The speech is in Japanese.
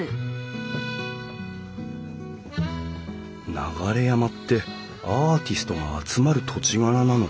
流山ってアーティストが集まる土地柄なのかな？